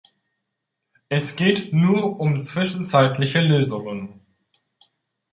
Es geht nur um zwischenzeitliche Lösungen.